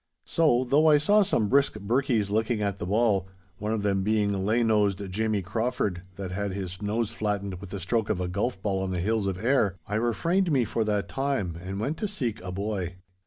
So, though I saw some brisk birkies licking at the ball, one of them being Laigh nosed Jamie Crawford that had his nose flattened with the stroke of a golf ball on the hills of Ayr, I refrained me for that time and went to seek a boy.